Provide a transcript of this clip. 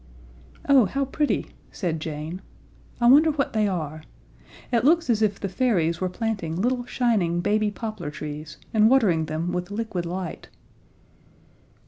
"Oh, how pretty," said Jane. "I wonder what they are. It looks as if the fairies were planting little shining baby poplar trees and watering them with liquid light."